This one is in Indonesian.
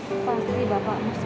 sepertinya boleh lagi las twins lan